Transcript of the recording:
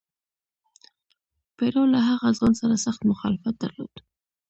پیرو له هغه ځوان سره سخت مخالفت درلود.